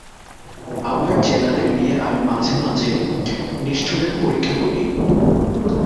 আমার চ্যালাদের নিয়ে আমি মাঝে মাঝে নিষ্ঠুরের পরীক্ষা করি।